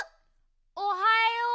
おはよう。